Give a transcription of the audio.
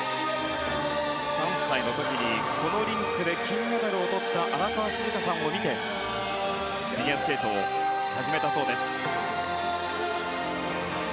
３歳の時にこのリンクで金メダルをとった荒川静香さんを見てフィギュアスケートを始めたそうです。